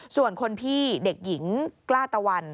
ส่วนคนพี่เด็กหญิงกล้าตะวัน